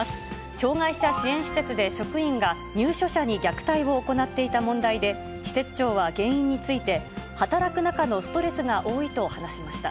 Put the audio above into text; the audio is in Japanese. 障がい者支援施設で、職員が入所者に虐待を行っていた問題で、施設長は原因について、働く中のストレスが多いと話しました。